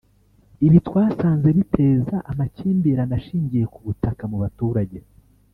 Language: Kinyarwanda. ibi twasanze biteza amakimbirane ashingiye ku butaka mu baturage